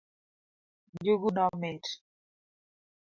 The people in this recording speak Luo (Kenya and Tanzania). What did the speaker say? Njuguno mit